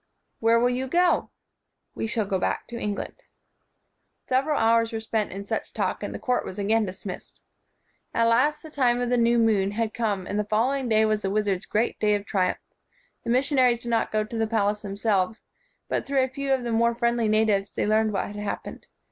'' Where will you go ?" "We shall go back to England." Several hours were spent in such talk, and the court w r as again dismissed. At last the time of the new moon had come and the following day was the wiz ard's great day of triumph. The mission aries did not go to the palace themselves; but, through a few of the more friendly na tives, they learned what had happened.